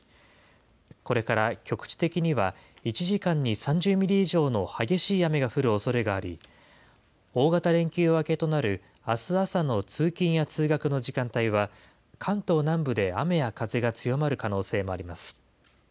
これから局地的には、１時間に３０ミリ以上の激しい雨が降るおそれがあり、大型連休明けとなるあす朝の通勤や通学の時間帯は、関東南部で雨や風が強まる可能性もあります。